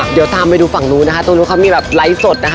เดี๋ยวตามไปดูฝั่งนู้นนะคะตรงนู้นเขามีแบบไลฟ์สดนะคะ